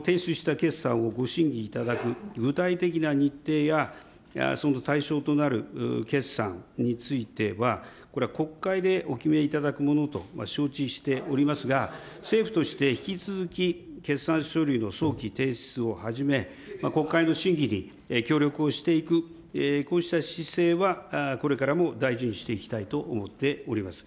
提出した決算をご審議いただく具体的な日程や、その対象となる決算については、これは国会でお決めいただくものと承知しておりますが、政府として引き続き、決算書類の早期提出をはじめ、国会の審議に協力をしていく、こうした姿勢はこれからも大事にしていきたいと思っております。